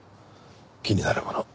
気になるもの。